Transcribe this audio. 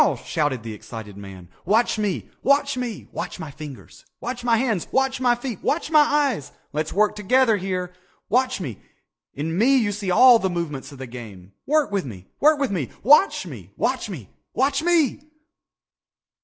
shouted the excited man. "Watch me! Watch me! Watch my fingers! Watch my hands! Watch my feet! Watch my eyes! Let's work together here! Watch me! In me you see all the movements of the game! Work with me! Work with me! Watch me! Watch me! Watch me!"